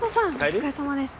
お疲れさまです。